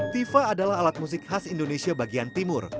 tifa adalah alat musik khas indonesia bagian timur